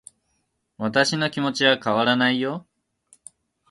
私の気持ちは変わらないよ